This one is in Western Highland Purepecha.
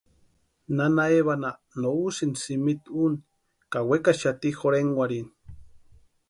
Nana Evanha no úsïnti simitu úni ka wekaxati jorhenkwarhini.